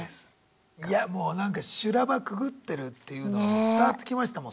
いやもうなんか修羅場くぐってるっていうのが伝わってきましたもん